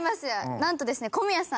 何とですね小宮さん